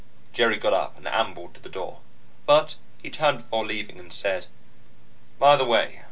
Jerry got up and ambled to the door. But he turned before leaving and said: "By the way.